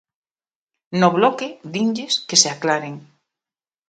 No Bloque dinlles que se aclaren.